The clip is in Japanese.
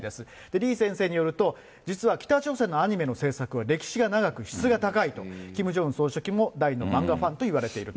李先生によると、実は北朝鮮のアニメの制作は歴史が長く質が高いと、キム・ジョンウン総書記も大の漫画ファンといわれていると。